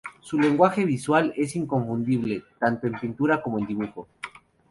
Su lenguaje visual es inconfundible, tanto en pintura como en dibujo.